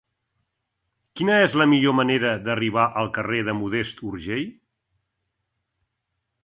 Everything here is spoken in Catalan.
Quina és la millor manera d'arribar al carrer de Modest Urgell?